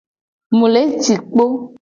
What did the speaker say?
Mu le ci kpo.